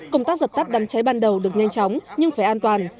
công tác dập tắt đám cháy ban đầu được nhanh chóng nhưng phải an toàn